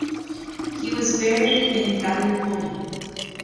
He was buried in Gallipoli.